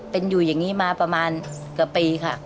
เป็นอยู่อย่างนี้มาประมาณเกือบปีค่ะ